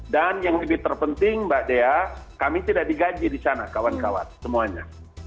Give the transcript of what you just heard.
dan yang lebih terpenting mbak dea kami tidak digaji di sana kawan kawan semuanya